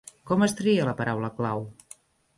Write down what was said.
Com es tria la paraula clau?